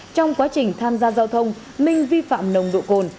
trong quá trình tham gia giao thông minh vi phạm nồng độ cồn